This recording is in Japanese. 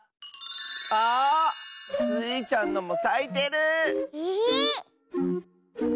あ！スイちゃんのもさいてる！え？